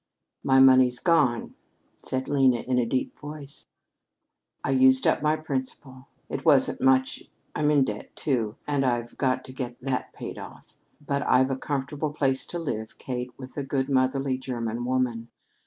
"My money's gone," said Lena in a dead voice. "I used up my principal. It wasn't much. I'm in debt, too, and I've got to get that paid off. But I've a comfortable place to live, Kate, with a good motherly German woman.